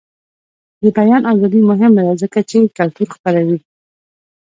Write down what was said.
د بیان ازادي مهمه ده ځکه چې کلتور خپروي.